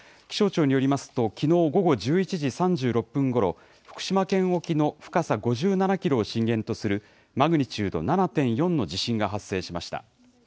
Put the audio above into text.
気象庁によりますと、きのう午後１１時３６分ごろ、福島県沖の深さ５７キロを震源とする、マグニチュード７．４の地震が発生しました。